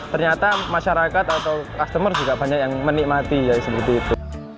ternyata masyarakat atau customer juga banyak yang menikmati seperti itu